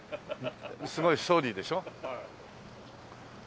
すごいストーリーでしょ？